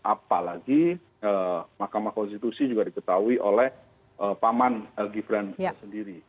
apalagi makamah konstitusi juga diketahui oleh paman gibran sendiri